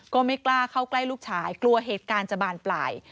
ก็ไม่กล้าเข้าใกล้ลูกชายกลัวเหตุการณ์จะบานปลาย